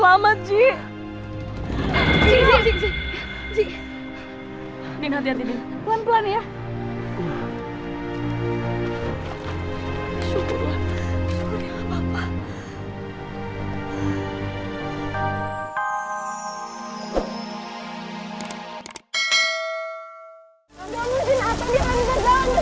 ambal mungkin atas diri dari jalan ini saksis